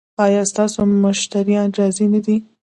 ایا ستاسو مشتریان راضي نه دي؟